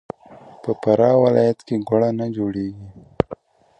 په فراه ولایت کې ګوړه نه جوړیږي.